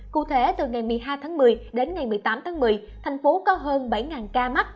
cụ thể từ ngày một mươi hai tháng một mươi đến ngày một mươi tám tháng một mươi thành phố có hơn bảy ca mắc